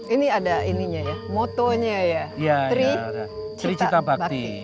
ini ada motonya ya tri cita bakti